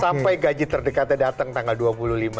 sampai gaji terdekatnya datang tanggal dua puluh lima